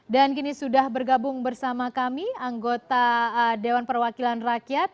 dan kini sudah bergabung bersama kami anggota dewan perwakilan rakyat